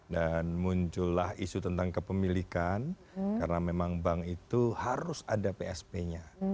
dan muncullah isu tentang kepemilikan karena memang bank itu harus ada psp nya